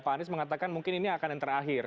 pak anies mengatakan mungkin ini akan yang terakhir